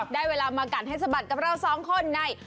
ได้เวลามากัดให้สะบัดกับเราสองคนใน